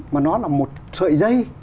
mà nó là một sợi dây